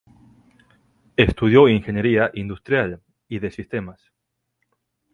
Estudió ingeniería industrial y de sistemas.